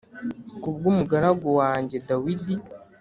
Ku bw umugaragu wanjye dawidi